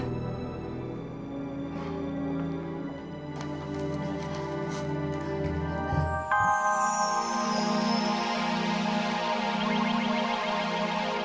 sampai jumpa lagi